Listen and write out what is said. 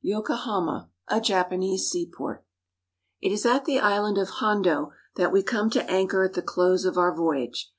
YOKOHAMA, A JAPANESE SEAPORT IT is at the island of Hondo that we come to anchor at the close of our voyage.